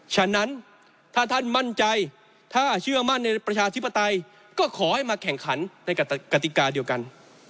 ฉะนั้นถ้าท่านมั่นใจถ้าเชื่อมั่นในประชาธิปไตยก็ขอให้มาแข่งขันในกติกาเดียวกัน